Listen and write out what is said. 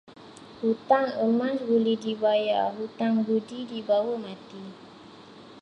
Hutang emas boleh dibayar, hutang budi dibawa mati.